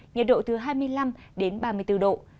nhiệt độ từ hai mươi năm đến ba mươi bốn độ